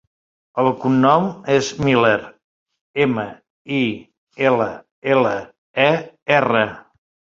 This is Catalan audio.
El cognom és Miller: ema, i, ela, ela, e, erra.